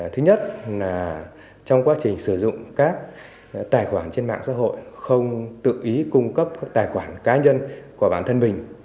thứ nhất là trong quá trình sử dụng các tài khoản trên mạng xã hội không tự ý cung cấp tài khoản cá nhân